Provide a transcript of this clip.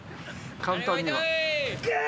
簡単には。